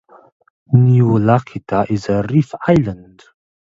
Niulakita is a reef island.